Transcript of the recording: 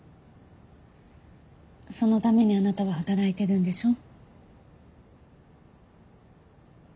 そのためにあなたは働いてるんでしょ？